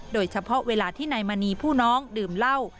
โดยเฉพาะเวลาที่นายมณีผู้น้องดื่มเหล้า